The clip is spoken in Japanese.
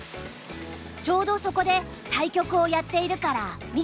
ちょうどそこで対局をやっているから見てみよう。